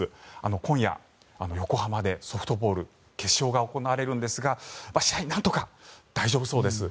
今夜、横浜でソフトボール決勝が行われるんですが試合、なんとか大丈夫そうです。